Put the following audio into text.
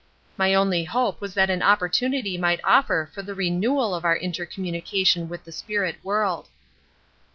My only hope was that an opportunity might offer for the renewal of our inter communication with the spirit world.